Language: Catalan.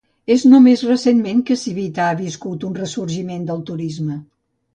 És només recentment que Civita ha viscut un ressorgiment del turisme.